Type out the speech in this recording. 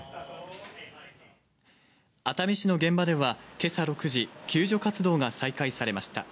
熱海市の現場では今朝６時、救助活動が再開されました。